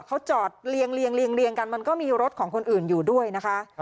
เขาจอดเรียงเรียงเรียงเรียงกันมันก็มีรถของคนอื่นอยู่ด้วยนะคะ